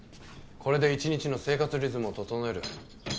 これで１日の生活リズムを整える。